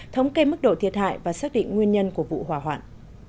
thống kê mức độ thiệt hại và xác định nguyên nhân của vụ hỏa hoạn